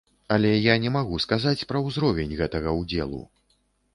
Але я не магу сказаць пра ўзровень гэтага ўдзелу.